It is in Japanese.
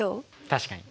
確かに。